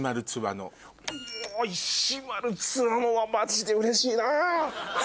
お石丸ツワノはマジでうれしいな！